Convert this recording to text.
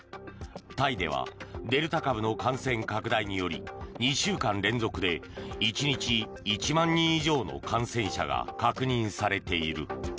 タイではデルタ株の感染拡大により２週間連続で１日１万人以上の感染者が確認されている。